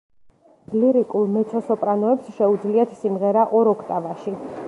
ლირიკულ მეცო-სოპრანოებს შეუძლიათ სიმღერა ორ ოქტავაში.